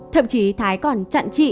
thậm chí thái còn chặn chị